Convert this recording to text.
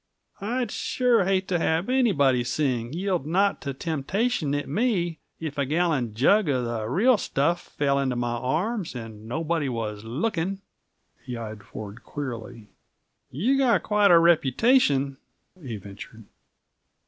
I'd sure hate to have anybody sing 'Yield not to temptation' at me, if a gallon jug of the real stuff fell into my arms and nobody was looking." He eyed Ford queerly. "You've got quite a reputation " he ventured.